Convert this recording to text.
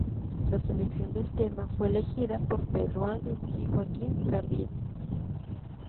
La selección de temas fue elegida por Pedro Andreu y Joaquín Cardiel.